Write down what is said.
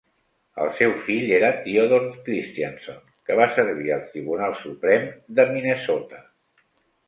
El seu fill era Theodore Christianson, que va servir al Tribunal Suprem de Minnesota.